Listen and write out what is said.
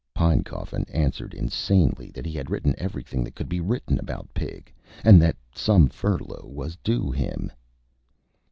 Pinecoffin answered insanely that he had written everything that could be written about Pig, and that some furlough was due to him.